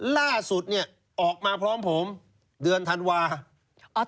ล่าสุดเนี่ยออกมาพร้อมผมเดือนธันวาคม